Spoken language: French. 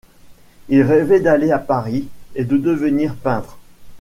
Il rêvait d’aller à Paris et de devenir peintre.